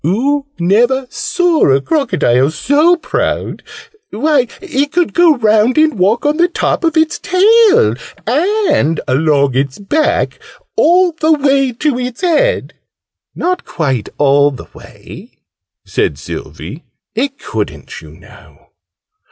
Oo never saw a Crocodile so proud! Why, it could go round and walk on the top of its tail, and along its back, all the way to its head!" {Image...A changed crocodile} "Not quite all the way," said Sylvie. "It couldn't, you know."